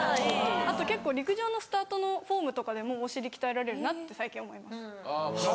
あと結構陸上のスタートのフォームとかでもお尻鍛えられるなって最近思います。